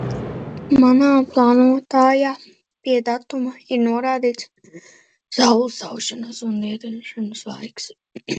Manā plānotājā pie datuma ir norādīts saules aušanas un rietēšanas laiks.